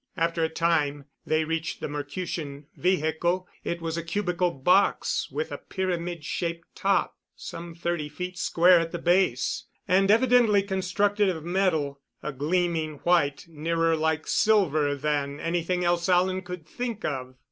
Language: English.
After a time they reached the Mercutian vehicle. It was a cubical box, with a pyramid shaped top, some thirty feet square at the base, and evidently constructed of metal, a gleaming white nearer like silver than anything else Alan could think of.